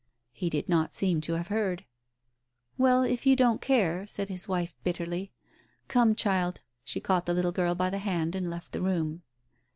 He did not seem to have heard. "Well, if you don't care " said his wife bitterly. "Come, child 1 " She caught the little girl by the hand and left the room.